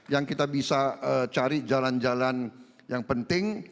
yang kita bisa cari jalan jalan yang penting